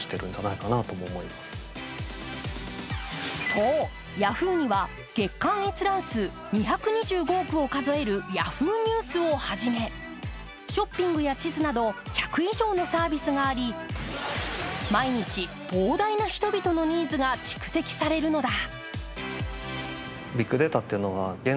そう、Ｙａｈｏｏ！には月間閲覧数２５０億を数えるＹａｈｏｏ！ニュースをはじめショッピングや地図など１００以上のサービスがあり毎日、膨大な人々のニーズが蓄積されるのだ。